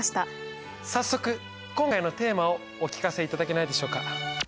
早速今回のテーマをお聞かせいただけないでしょうか？